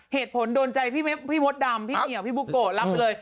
เหตุผลโดนใจพี่มดดำพี่เหนียวพี่บุโกะรับเลย